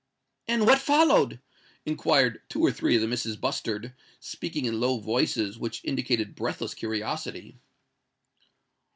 "And what followed?" inquired two or three of the Misses Bustard, speaking in low voices which indicated breathless curiosity.